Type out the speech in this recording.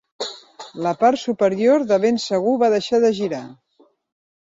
La part superior de ben segur va deixar de girar.